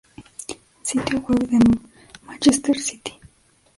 Sitio web de Manchester City